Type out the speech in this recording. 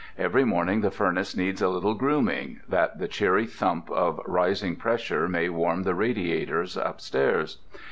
Every morning the furnace needs a little grooming, that the cheery thump of rising pressure may warm the radiators upstairs.